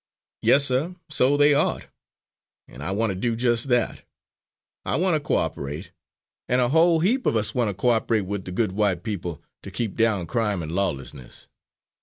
"Yes, sir, so they ought; and I want to do just that; I want to co operate, and a whole heap of us want to co operate with the good white people to keep down crime and lawlessness.